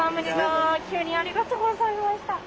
急にありがとうございました。